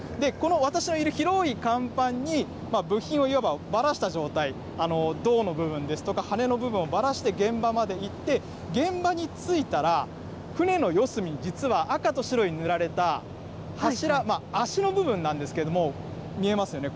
私のいる広い甲板に、部品をいわばばらした状態、胴の部分ですとか、羽根の部分をばらして、現場まで行って、現場に着いたら、船の四隅、実は赤と白に塗られた柱、足の部分なんですけれども、見えますよね。